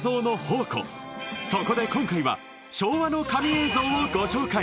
そこで今回は昭和の神映像をご紹介